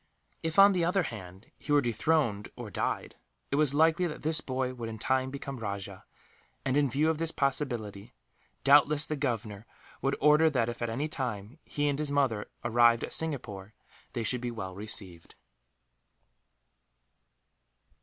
If, on the other hand, he were dethroned, or died, it was likely that this boy would in time become rajah and, in view of this possibility, doubtless the Governor would order that if, at any time, he and his mother arrived at Singapore, they should be well received.